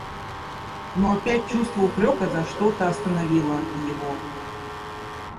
Но опять чувство упрека за что-то остановило его.